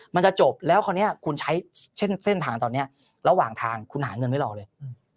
มันจะจบแล้วคราวนี้คุณใช้เส้นทางตอนนี้ระหว่างทางคุณหาเงินไว้รอเลย